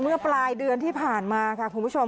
เมื่อปลายเดือนที่ผ่านมาค่ะคุณผู้ชม